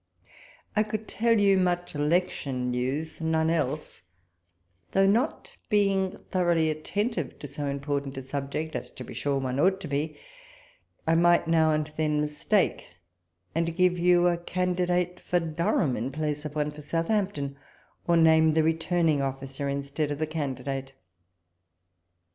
I could tell you much election news, none else ; though not being thoroughly attentive to so im portant a subject, as to be sure one ought to be, I might now and then mistake, and give you a candidate for Durham in place of one for Southampton, or name the returning officer instead of the candidate.